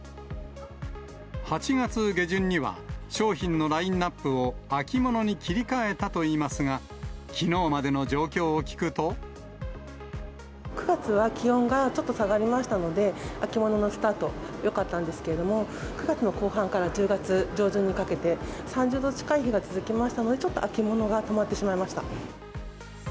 ８月下旬には、商品のラインナップを秋物に切り替えたといいますが、きのうまで９月は気温がちょっと下がりましたので、秋物のスタート、よかったんですけども、９月の後半から１０月上旬にかけて、３０度近い日が続きましたので、ちょっと秋物が止まってしまいました。